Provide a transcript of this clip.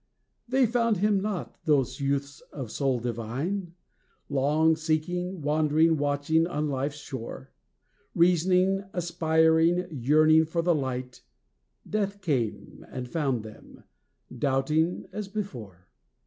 They found Him not, those youths of soul divine, Long seeking, wandering, watching on life's shore; Reasoning, aspiring, yearning for the light, Death came and found them doubting as before.